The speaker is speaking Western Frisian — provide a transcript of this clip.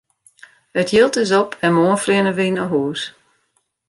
It jild is op en moarn fleane wy nei hús!